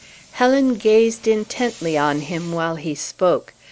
Helen gazed intently on him while he spoke.